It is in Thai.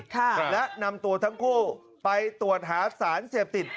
ค่ะและนำตัวทั้งคู่ไปตรวจหาสารเสพติด